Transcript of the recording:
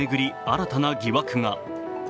新たな疑惑が。